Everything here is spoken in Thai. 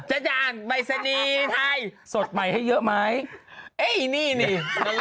จันทร์บริษณีย์ไทยสดใหม่ให้เยอะไหมเอ้ยนี่นี่